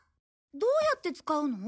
どうやって使うの？